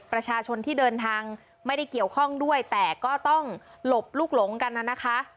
ประชาชนที่เดินทางไม่ได้เกี่ยวข้องด้วยแต่ก็ต้องหลบลูกหลงกันน่ะนะคะ